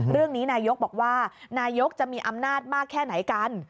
เรื่องนี้นายกบอกว่านายกจะมีอำนาจมากแค่ไหนกัน